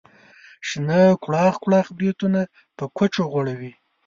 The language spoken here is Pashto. شنه کوړاخ کوړاخ بریتونه په کوچو غوړوي.